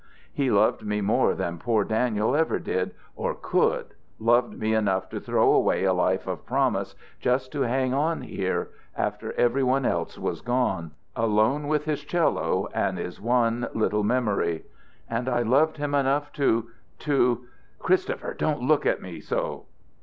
He loved me more than poor Daniel ever did or could, loved me enough to throw away a life of promise, just to hang on here after every one else was gone, alone with his 'cello and is one little memory. And I loved him enough to to _Christopher, don't look at me so!"